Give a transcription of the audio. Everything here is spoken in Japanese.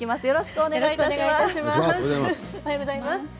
よろしくお願いします。